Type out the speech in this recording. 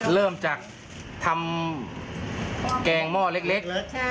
เริ่มจากทำแกงหม้อเล็ก